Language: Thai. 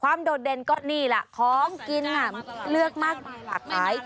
โดดเด่นก็นี่แหละของกินเลือกมากหลากหลาย